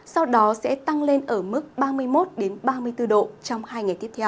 sau đó sẽ tăng lên ở mức ba mươi một ba mươi bốn độ trong hai ngày tiếp theo